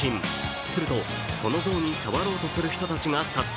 すると、その像に触ろうとする人たちが殺到。